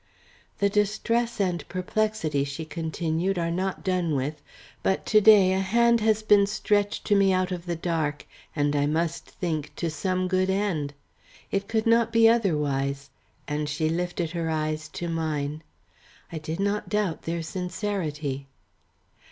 "The distress and perplexity," she continued, "are not done with, but to day a hand has been stretched to me out of the dark, and I must think, to some good end. It could not be otherwise," and she lifted her eyes to mine. I did not doubt their sincerity.